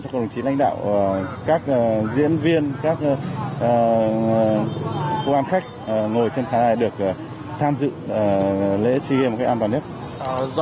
cho các đồng chí lãnh đạo các diễn viên các quán khách ngồi trên khá là được tham dự lễ siêu game an toàn nhất